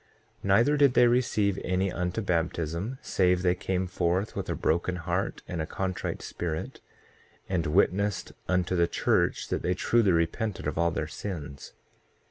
6:2 Neither did they receive any unto baptism save they came forth with a broken heart and a contrite spirit, and witnessed unto the church that they truly repented of all their sins.